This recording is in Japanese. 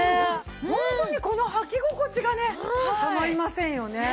ホントにこの履き心地がねたまりませんよね。